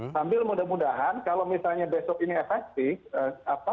sambil mudah mudahan kalau misalnya besok ini efektif